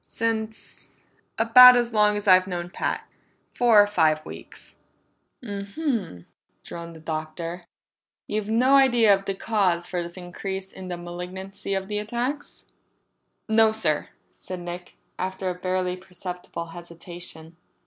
"Since about as long as I've known Pat. Four or five weeks." "M m," droned the Doctor. "You've no idea of the cause for this increase in the malignancy of the attacks?" "No sir," said Nick, after a barely perceptible hesitation.